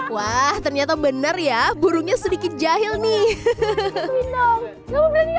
wah ternyata benar ya burungnya sedikit jahil nih